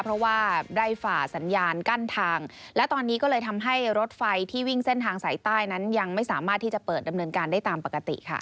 เพราะว่าได้ฝ่าสัญญาณกั้นทางและตอนนี้ก็เลยทำให้รถไฟที่วิ่งเส้นทางสายใต้นั้นยังไม่สามารถที่จะเปิดดำเนินการได้ตามปกติค่ะ